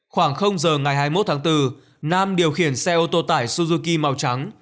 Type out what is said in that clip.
khoảng giờ ngày hai mươi một tháng bốn nam điều khiển xe ô tô tải suzuki màu trắng